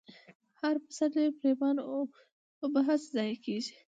هر پسرلۍ پرېمانه اوبه هسې ضايع كېږي،